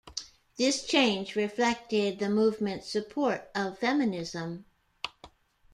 This change reflected the movement's support of feminism.